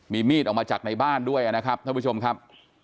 มีมีดออกมาจากในบ้านด้วยนะครับท่านผู้ชมครับ